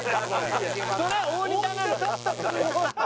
それは大仁田なのよ。